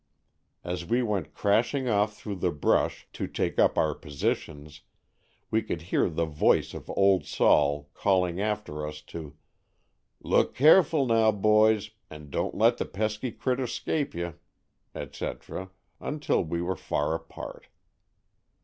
As we went crashing off through the brush to take up our positions, we could hear the voice of ''Old Sol" calling after us to ''look kerful now, boys, and don't let the pesky critter 'scape ye," etc., until we were far apart.